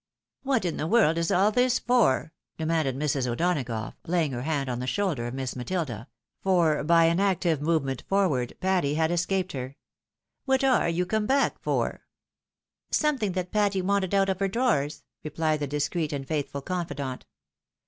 " What in the world is all this for ?" demanded Mrs. O'Donagough, laying her hand on the shoulder of Miss Matilda; for by an active movement forward, Patty had escaped her. " What are you come back for ?"" Something that Patty wanted out of her drawers," replied the discreet and faithful cotifidant.